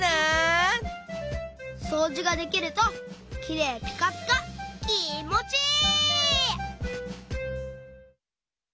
そうじができるときれいピカピカきもちいい！